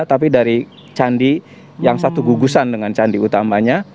tapi dari candi yang satu gugusan dengan candi utamanya